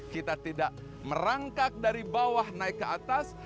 kita tidak merangkak dari bawah naik ke atas